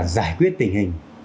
giải quyết tình hình